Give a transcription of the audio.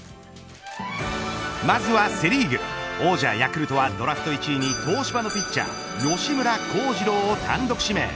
まずはセ・リーグ王者ヤクルトはドラフト１位に東芝のピッチャー吉村貢司郎を単独指名。